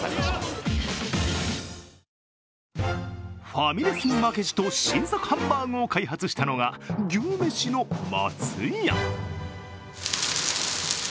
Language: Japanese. ファミレスに負けじと新作ハンバーグを開発したのが牛めしの松屋。